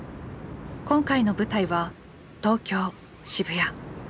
今回の舞台は東京・渋谷。